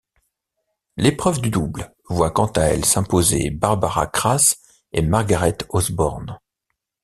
L'épreuve de double voit quant à elle s'imposer Barbara Krase et Margaret Osborne.